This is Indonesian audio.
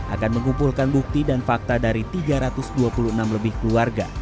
akan mengumpulkan bukti dan fakta dari tiga ratus dua puluh enam lebih keluarga